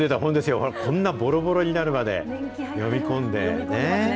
ほら、こんなぼろぼろになるまで読み込んでますね。